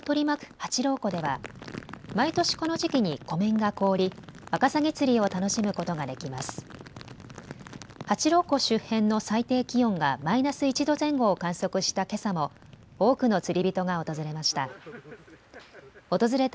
八郎湖周辺の最低気温がマイナス１度前後を観測したけさも多くの釣り人が訪れました。